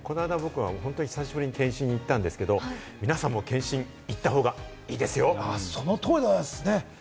久しぶりに検診に行ったんですけど、皆さんも検診行ったほうがいいですよ。